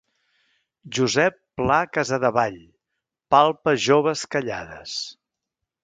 Josep Pla Casadevall: “Palpa Joves Callades”.